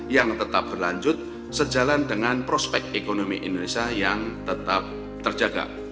yang tetap berlanjut sejalan dengan prospek ekonomi indonesia yang tetap terjaga